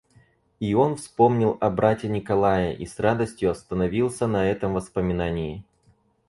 И он вспомнил о брате Николае и с радостью остановился на этом воспоминании.